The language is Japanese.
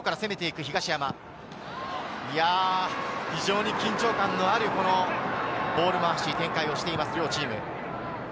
非常に緊張感のあるボール回し、展開をしています、両チーム。